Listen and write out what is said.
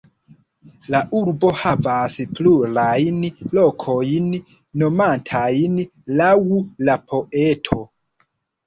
La urbo havas plurajn lokojn nomatajn laŭ la poeto.